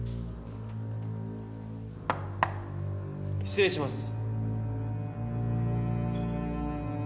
失礼します。